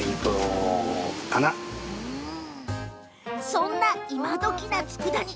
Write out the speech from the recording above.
そんな今どきな、つくだ煮。